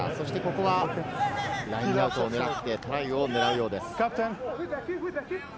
ここはラインアウトを狙って、トライを狙うようです。